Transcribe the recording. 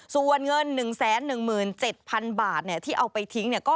ส่วนเงิน๑๑๗๐๐๐บาทที่เอาไปทิ้ง